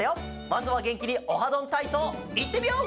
まずはげんきに「オハどんたいそう」いってみよう！